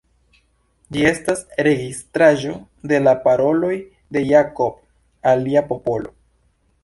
Ĝi estas registraĵo de la paroloj de Jakob al lia popolo.